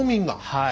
はい。